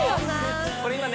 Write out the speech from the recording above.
これ今ね